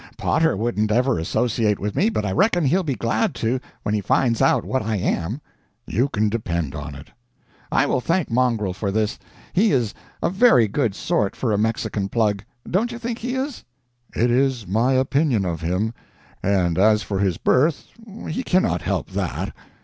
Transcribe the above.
Potter wouldn't ever associate with me, but I reckon he'll be glad to when he finds out what I am." "You can depend upon it." "I will thank Mongrel for this. He is a very good sort, for a Mexican Plug. Don't you think he is?" "It is my opinion of him; and as for his birth, he cannot help that.